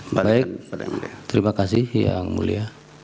baik terima kasih yang mulia